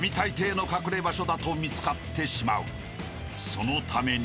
［そのために］